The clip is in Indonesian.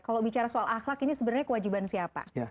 kalau bicara soal akhlak ini sebenarnya kewajiban siapa